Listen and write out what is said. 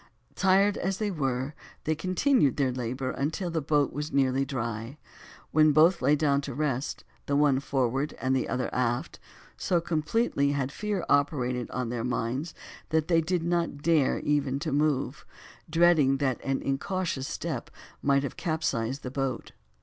Tired as they were, they continued their labor until the boat was nearly dry, when both lay down to rest, the one forward, and the other aft; so completely had fear operated on their minds, that they did not dare even to move, dreading that an incautious step might have capsized the boat.